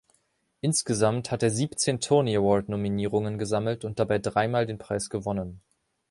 Insgesamt hat er siebzehn Tony-Award-Nominierungen gesammelt und dabei dreimal den Preis gewonnen.